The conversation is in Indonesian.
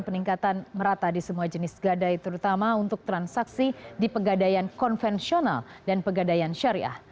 peningkatan merata di semua jenis gadai terutama untuk transaksi di pegadaian konvensional dan pegadaian syariah